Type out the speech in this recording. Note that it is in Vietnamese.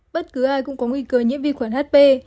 bất cứ ai cũng có nguy cơ nhiễm vi khuẩn hp